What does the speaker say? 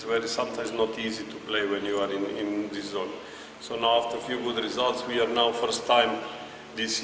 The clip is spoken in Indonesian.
jadi sekarang setelah beberapa pengetahuan yang baik kita sekarang pertama kali di bagian atas tabel ini